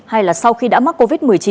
hay là sau khi đã mắc covid một mươi chín